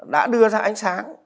đã đưa ra ánh sáng